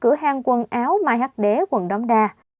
cửa hàng quần áo mai hát đế quận đóng đa